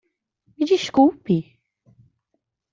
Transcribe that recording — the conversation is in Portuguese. Me desculpe!